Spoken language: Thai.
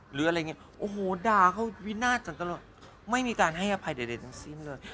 หรืออะไรอย่างนี้โอ้โหด่าเขาวินาศกันตลอดไม่มีการให้อภัยใดทั้งสิ้นเลย